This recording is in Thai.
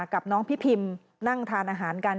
กับน้องพี่พิมนั่งทานอาหารกัน